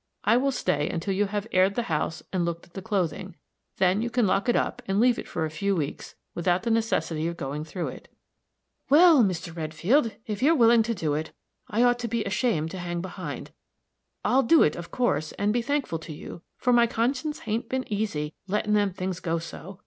I will stay until you have aired the house and looked at the clothing; then you can lock it up, and leave it for a few weeks without the necessity of going through it." "Well, Mr. Redfield, if you're willin' to do it, I ought to be ashamed to hang behind. I'll do it, of course, and be thankful to you; for my conscience hain't been easy, lettin' them things go so.